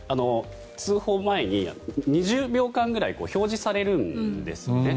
通報前に２０秒間ぐらい表示されるんですよね。